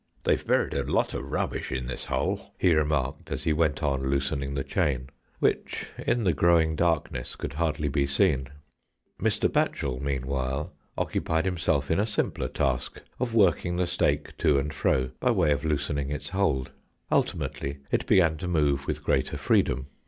"They've buried a lot of rubbish in this hole," he remarked, as he went on loosening the chain, which, in the growing darkness, could hardly be seen. Mr. Batchel, meanwhile, occupied himself in a simpler task of working the stake to and fro, by way of loosening its hold. Ultimately it began to move with greater freedom.